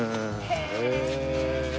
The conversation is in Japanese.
へえ！